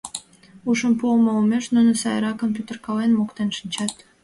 Ушым пуымо олмеш, нуно сайракын пӱтыркален, моктен шинчат.